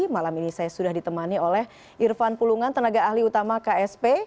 malam ini saya sudah ditemani oleh irfan pulungan tenaga ahli utama ksp